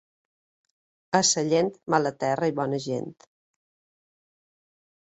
A Sallent, mala terra i bona gent.